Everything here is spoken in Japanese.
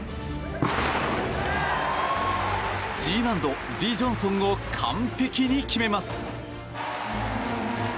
Ｇ難度、リ・ジョンソンを完璧に決めます。